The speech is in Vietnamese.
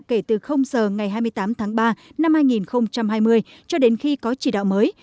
kể từ giờ ngày hai mươi tám tháng ba năm hai nghìn hai mươi cho đến khi có chỉ đạo mới